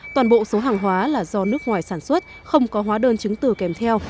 toàn bộ số hàng hóa là do nước ngoài sản xuất không có hóa đơn chứng từ kèm theo